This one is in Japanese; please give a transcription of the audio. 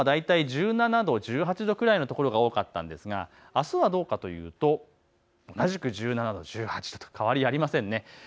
きょうは大体１７度、１８度くらいの所が多かったんですがあすはどうかというと同じく１７度、１８度変わりありませんね。